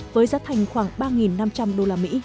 với giá thành khoảng ba năm trăm linh usd